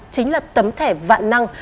chính là tấm thẻ vạn năng